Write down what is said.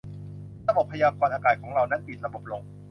ระบบพยากรณ์อากาศของเรา นั้นปิดระบบลง